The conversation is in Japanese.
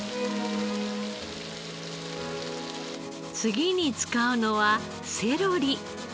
次に使うのはセロリ。